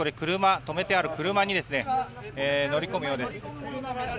止めてある車に乗り込むようです。